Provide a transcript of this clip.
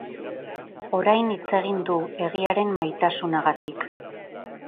Orain hitz egin du, egiaren maitasunagatik.